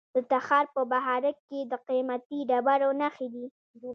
د تخار په بهارک کې د قیمتي ډبرو نښې دي.